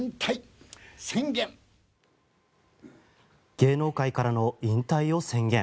芸能界からの引退を宣言。